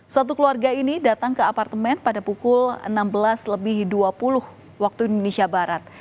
satu keluarga ini datang ke apartemen pada pukul enam belas lebih dua puluh waktu indonesia barat